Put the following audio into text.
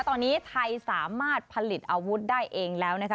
ตอนนี้ไทยสามารถผลิตอาวุธได้เองแล้วนะคะ